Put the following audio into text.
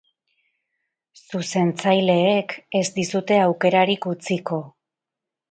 Zuzentzaileek ez dizute aukerarik utziko.